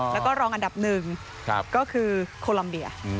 แล้วก็รองอันดับหนึ่งก็คือโคลัมเบีย